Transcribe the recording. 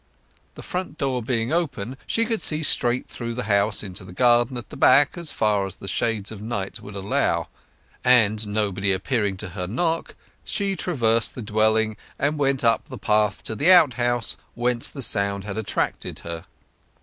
The front door being open she could see straight through the house into the garden at the back as far as the shades of night would allow; and nobody appearing to her knock, she traversed the dwelling and went up the path to the outhouse whence the sound had attracted her.